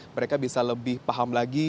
mereka bisa lebih paham lagi